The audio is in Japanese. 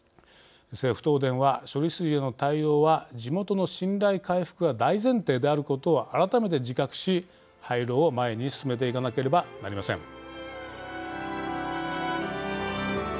政府・東電は、処理水への対応は地元の信頼回復が大前提であることを改めて自覚し廃炉を前に進めていかなければなりません。